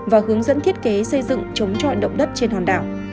và hướng dẫn thiết kế xây dựng chống chọi động đất trên toàn đảo